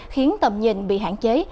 khiến tầm nhìn bị hãng chế